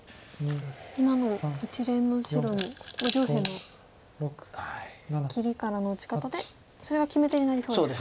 今の一連の白上辺の切りからの打ち方でそれが決め手になりそうですか。